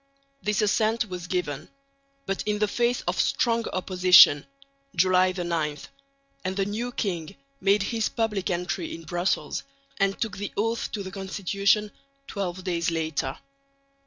This assent was given, but in the face of strong opposition (July 9); and the new king made his public entry into Brussels and took the oath to the Constitution twelve days later.